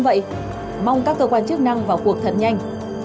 vậy mong các cơ quan chức năng vào cuộc thật nhanh